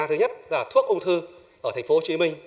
thứ nhất là thuốc ung thư ở thành phố hồ chí minh